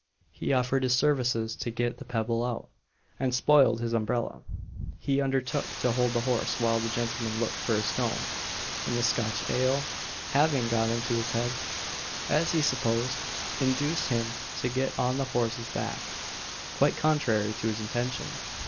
He offered his services to get the pebble out, and spoiled his umbrella; he undertook to hold the horse while the gentleman looked for a stone, and the Scotch ale, having got into his head, as he supposed, induced him to get on the horse's back quite contrary to his intention.